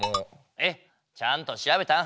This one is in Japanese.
えっちゃんとしらべたん？